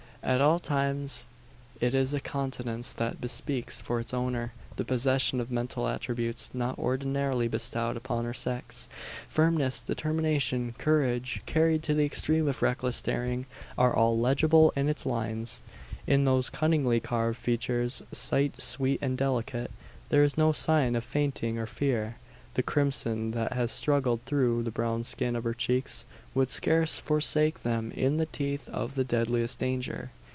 At all times it is a countenance that bespeaks for its owner the possession of mental attributes not ordinarily bestowed upon her sex. Firmness, determination, courage carried to the extreme of reckless daring are all legible in its lines. In those cunningly carved features, slight, sweet, and delicate, there is no sign of fainting or fear. The crimson that has struggled through the brown skin of her cheeks would scarce forsake them in the teeth of the deadliest danger.